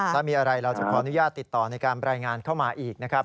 ถ้ามีอะไรเราจะขออนุญาตติดต่อในการรายงานเข้ามาอีกนะครับ